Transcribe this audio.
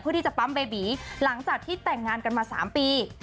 ที่จะปั๊มเบบีหลังจากที่แต่งงานกันมา๓ปี